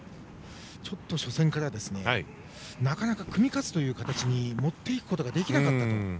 ちょっと初戦からなかなか組み勝つ形に持っていくことができなかった。